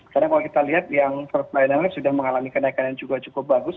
karena kalau kita lihat yang per slinernya sudah mengalami kenaikan yang cukup bagus